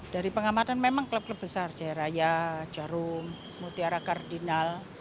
dari pengamatan memang klub klub besar jaya raya jarum mutiara kardinal